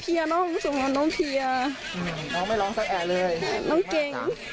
เพื่อนบ้านเจ้าหน้าที่อำรวจกู้ภัย